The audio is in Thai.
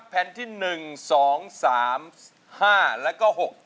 แผ่นที่หนึ่งสองสามห้าแล้วก็หก